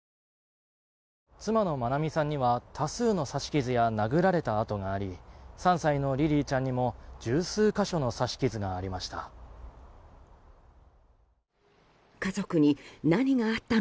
妻の愛美さんには多数の刺し傷や殴られた痕があり３歳のリリィちゃんにも十数か所の刺し傷がありました。